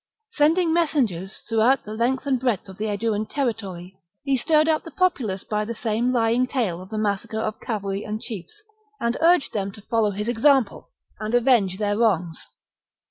Sending mes sengers throughout the length and breadth of the Aeduan territory, he stirred up the populace by the same lying tale of the massacre of cavalry and chiefs, and urged them to follow his example and avenge their wrongs.